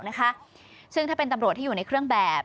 นะคะซึ่งถ้าเป็นตำรวจที่อยู่ในเครื่องแบบ